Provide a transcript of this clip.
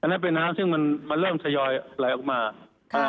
อันนั้นเป็นน้ำที่เริ่มยอยมาก